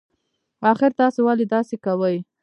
اخر تاسي ولې داسی کوئ